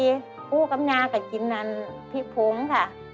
พู่กับนางก็กินอันพริกโผงค่ะ